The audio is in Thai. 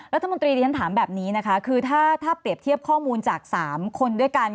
รัฐมนตรีที่ฉันถามแบบนี้นะคะคือถ้าเปรียบเทียบข้อมูลจาก๓คนด้วยกัน